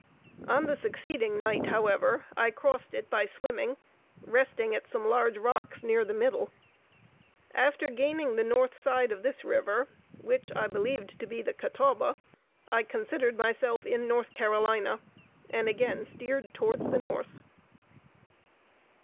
On the succeeding night, however, I crossed it by swimming resting at some large rocks near the middle. After gaining the north side of this river, which I believed to be the Catawba, I considered myself in North Carolina, and again steered towards the North.